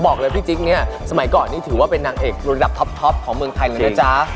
บอกเลยพี่จิ๊กเนี่ยสมัยก่อนนี่ถือว่าเป็นนางเอกระดับท็อปของเมืองไทยเลยนะจ๊ะ